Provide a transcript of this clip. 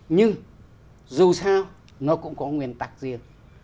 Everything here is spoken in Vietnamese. nhưng dù sao nó cũng có nguyên tắc riêng